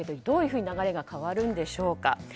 どういうふうに流れが変わるんでしょうか。